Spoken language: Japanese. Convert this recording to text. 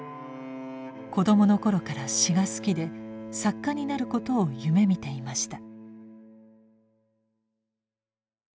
子どもの頃から詩が好きで作家になることを夢見ていました。